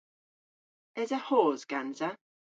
Esa hos gansa?